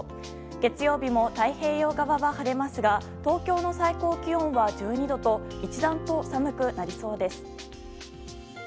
月曜日も太平洋側は晴れますが東京の最高気温は１２度と一段と寒くなりそうです。